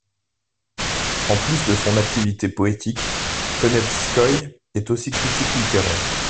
En plus de son activité poétique, Konevskoï est aussi critique littéraire.